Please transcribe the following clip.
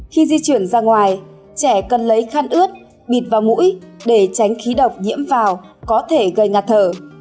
khi di chuyển ra ngoài trẻ cần lấy khăn ướt bịt vào mũi để tránh khí độc nhiễm vào có thể gây ngạt thở